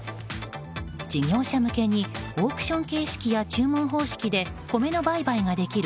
事業者向けにオークション形式や注文形式で米の売買ができる